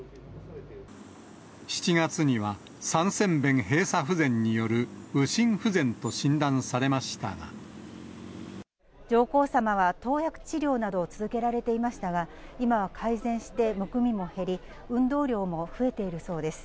７月には三尖弁閉鎖不全による右上皇さまは、投薬治療などを続けられていましたが、今は改善して、むくみも減り、運動量も増えているそうです。